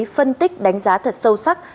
phân tích đánh giá thật sâu sắc